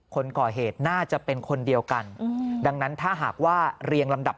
คนก่อเหตุน่าจะเป็นคนเดียวกันดังนั้นถ้าหากว่าเรียงลำดับ